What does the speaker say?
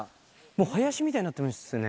林みたいになってますね。